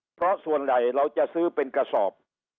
เพราะส่วนใหญ่เราจะซื้อเป็นกระสอบ